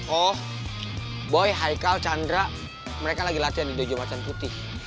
oh boy haikal chandra mereka lagi latihan di jojo macan putih